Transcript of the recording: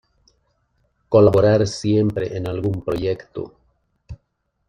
Colaborar siempre en algún proyecto.